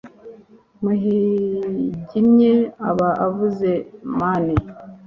nuhigimye aba avuze mani